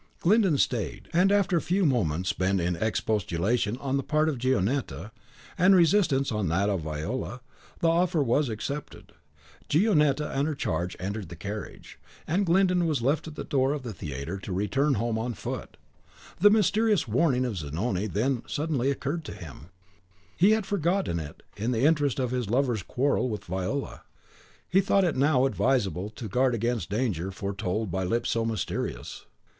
Glyndon stayed, and after a few moments spent in expostulation on the part of Gionetta, and resistance on that of Viola, the offer was accepted. Gionetta and her charge entered the carriage, and Glyndon was left at the door of the theatre to return home on foot. The mysterious warning of Zanoni then suddenly occurred to him; he had forgotten it in the interest of his lover's quarrel with Viola. He thought it now advisable to guard against danger foretold by lips so mysterious.